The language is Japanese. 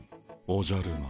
おじゃる丸！